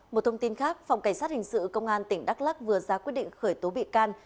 một thông tin khác phòng cảnh sát hình sự công an tỉnh đắk lắc vừa ra quyết định khởi tố bị can